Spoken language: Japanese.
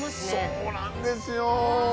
そうなんですよ。